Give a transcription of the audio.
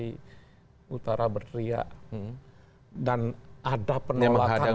di utara berteriak dan ada penolakan